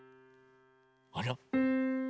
あら？